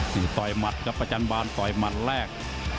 นี่ต่อยมัดกับประจันบานต่อยมัดแรก